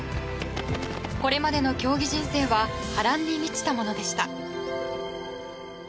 これまでの競技人生は波乱に満ちたものでした。